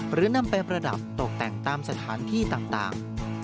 หรือนำไปประดับตกแต่งตามสถานที่ต่าง